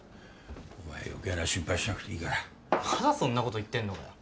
お前は余計な心配しなくていいからまだそんなこと言ってんのかよ？